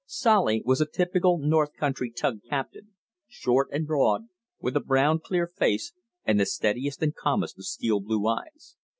Solly was a typical north country tug captain, short and broad, with a brown, clear face, and the steadiest and calmest of steel blue eyes.